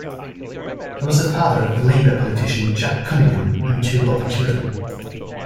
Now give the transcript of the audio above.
He was the father of Labour politician Jack Cunningham and two other children.